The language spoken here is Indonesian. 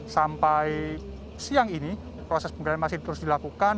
sampai siang ini proses penggeledahan masih terus dilakukan